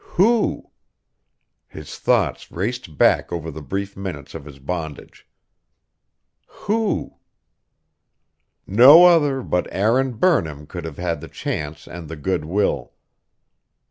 Who? His thoughts raced back over the brief minutes of his bondage. Who? No other but Aaron Burnham could have had the chance and the good will.